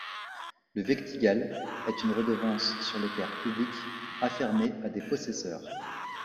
Le vectigal est une redevance sur les terres publiques affermées à des possesseurs.